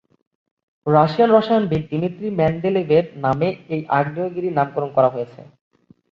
Russian রসায়নবিদ Dmitri মেন্ডেলেভের নামে এই আগ্নেয়গিরির নামকরণ করা হয়েছে।